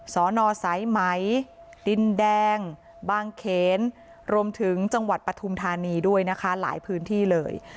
สนสายไหมดินแดงบางเขนรวมถึงจังหวัดปฐุมธานีด้วยนะคะหลายพื้นที่เลย